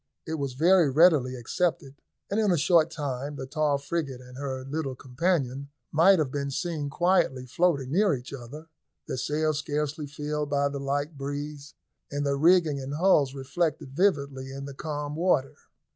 It was very readily accepted, and in a short time the tall frigate and her little companion might have been seen quietly floating near each other, their sails scarcely filled by the light breeze, and their rigging and hulls reflected vividly in the calm water.